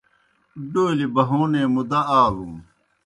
ڈولیْ بہونے مُدا آلُن۔